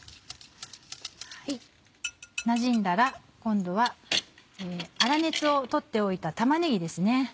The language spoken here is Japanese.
なじんだら今度は粗熱を取っておいた玉ねぎです。